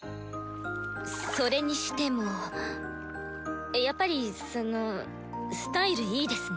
それにしてもやっぱりそのスタイルいいですね。